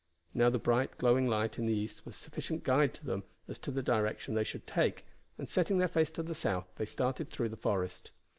Now the bright, glowing light in the east was sufficient guide to them as to the direction they should take, and setting their face to the south they started through the forest.